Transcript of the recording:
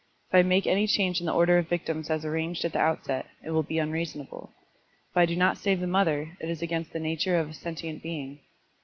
If I make any change in the order of victims as arranged at the outset, it will be unreasonable. If I do not save the mother, it is against the nature of a sentient being.